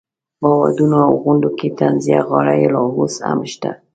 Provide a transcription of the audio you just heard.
په ودونو او غونډو کې طنزیه غاړې لا اوس هم شته.